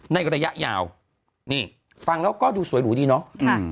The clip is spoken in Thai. ระยะยาวนี่ฟังแล้วก็ดูสวยหรูดีเนาะ